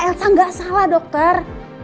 elsa gak salah dokter